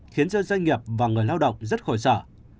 khiến cho doanh nghiệp và người lao động rất khổ sở